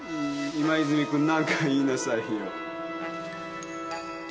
今泉君なんか言いなさいよ。